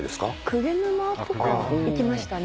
鵠沼とか行きましたね。